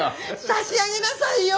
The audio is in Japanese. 差し上げなさいよ。